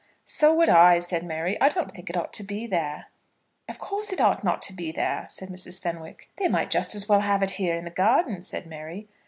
"So would I," said Mary. "I don't think it ought to be there." "Of course it ought not to be there," said Mrs. Fenwick. "They might as well have it here in the garden," said Mary.